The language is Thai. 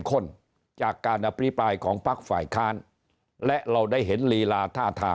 ข้นจากการอปริปลายของภาคฝ่าคารและเราได้เห็นรีลาท่า